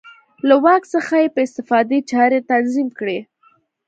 له واک څخه یې په استفادې چارې تنظیم کړې.